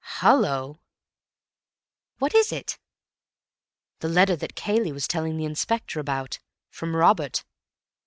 Hallo!" "What is it?" "The letter that Cayley was telling the Inspector about. From Robert.